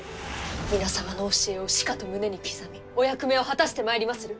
皆様の教えをしかと胸に刻みお役目を果たしてまいりまする！